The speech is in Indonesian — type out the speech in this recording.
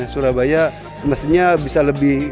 surabaya mestinya bisa lebih